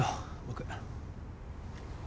僕。